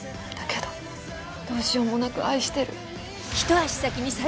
だけどどうしようもなく愛してる。